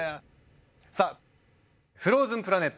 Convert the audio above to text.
さあ「フローズンプラネット」。